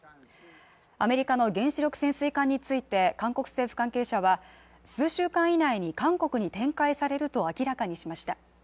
アメリカの原子力潜水艦について、韓国政府関係者は数週間以内に韓国に展開されると明らかにしました。